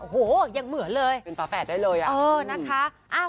โอ้โหยังเหมือนเลยเป็นป่าแฝดได้เลยอะ